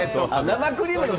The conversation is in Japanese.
生クリームの。